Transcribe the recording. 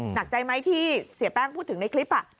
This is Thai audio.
หนักใจไหมที่เสียแป้งพูดถึงในคลิป